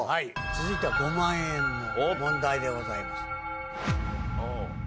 続いては５万円の問題でございます。